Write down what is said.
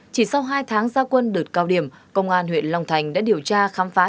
chỉ sau hai tháng gia quân đợt cao điểm công an huyện long thành đã điều tra khám phá